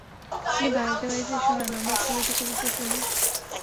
তিনি বাঁধিতে বাঁধিতে শোনান, আমরা খুলিতে খুলিতে শুনি।